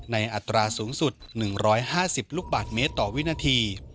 อัตราสูงสุด๑๕๐ลูกบาทเมตรต่อวินาที